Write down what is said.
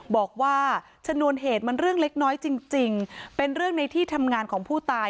บอกว่าชนวนเหตุมันเรื่องเล็กน้อยจริงเป็นเรื่องในที่ทำงานของผู้ตาย